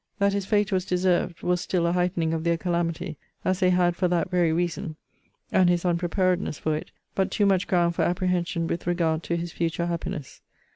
That his fate was deserved, was still a heightening of their calamity, as they had, for that very reason, and his unpreparedness for it, but too much ground for apprehension with regard to his future happiness.